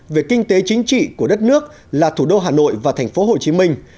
về kinh tế chính trị của đất nước là thủ đô hà nội và thành phố hồ chí minh